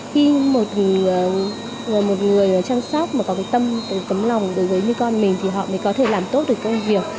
khi một người chăm sóc mà có tâm tấm lòng đối với con mình thì họ mới có thể làm tốt được công việc